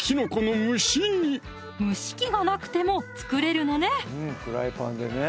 蒸し器がなくても作れるのね